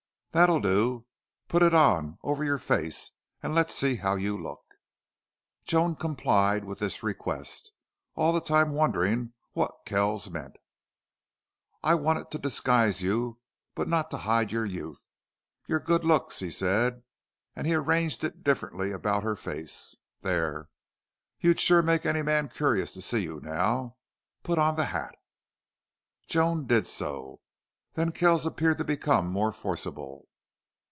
"That'll do. Put it on over your face and let's see how you look." Joan complied with this request, all the time wondering what Kells meant. "I want it to disguise you, but not to hide your youth your good looks," he said, and he arranged it differently about her face. "There!... You'd sure make any man curious to see you now.... Put on the hat." Joan did so. Then Kells appeared to become more forcible.